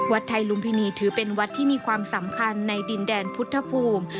ไทยลุมพินีถือเป็นวัดที่มีความสำคัญในดินแดนพุทธภูมิ